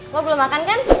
lo belum makan kan